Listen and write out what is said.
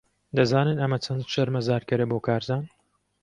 دەزانن ئەمە چەند شەرمەزارکەرە بۆ کارزان؟